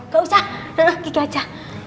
gak usah kiki aja